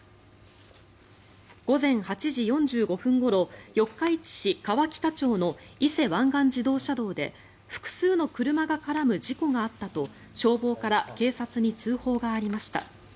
午前８時４５分ごろ四日市市川北町の伊勢湾岸自動車道で複数の車が絡む事故があったと消防から警察に通報がありました。